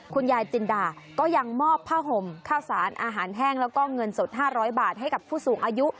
คุณยายจินดาก็ยังมอบผ้าห่มข้าวสารอาหารแห้งแล้วก็เงินสด๕๐๐บาทให้กับผู้สูงอายุ